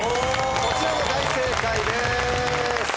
こちらも大正解です。